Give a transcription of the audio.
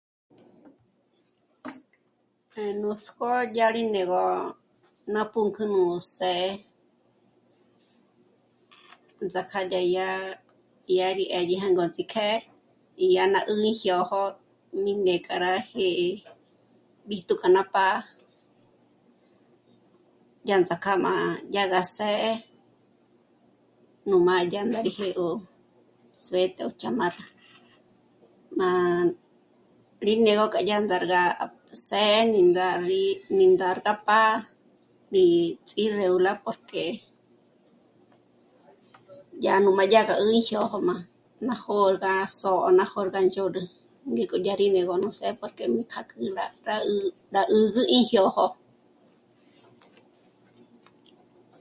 Nuts'kó yá rí né'egö ná pǔnk'ü nú së́'ë, ts'aká yí dyá, dyá rí 'édye dyá rú ts'íjke y dya ná 'ǘjyójó mí né'e kjá rá jí'i b'íjtu kja ná pá'a, ñánts'akam'a dyá gá së́'ë nú m'a dyá ndá rí ndégö suéte o chamarra má rí né'egö k'a ya ndàrga së́'ë ní ndá rí ndàrga pá'a y ts'íregular porque dyà nú má dyàgá 'íjyojó ná jó'o ná jôrga ná só'o ná jôrga ndzhôd'ü, ngéko dyá rí né'egö nú së́'ë porque k'á'k'ü rá mbát'ü 'ǜgü íjyó jó'o